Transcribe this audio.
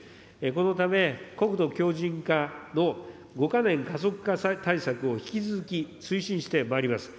このため、国土強靭化の５か年加速化対策を引き続き推進してまいります。